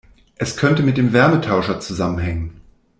Es könnte mit dem Wärmetauscher zusammenhängen.